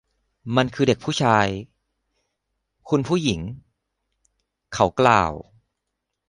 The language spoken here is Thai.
มันคือเด็กผู้ชาย คุณผู้หญิง เขากล่าว